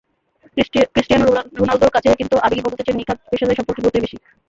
Cristiano রোনালদোর কাছে কিন্তু আবেগী বন্ধুত্বের চেয়ে নিখাদ পেশাদারি সম্পর্কের গুরুত্বই বেশি।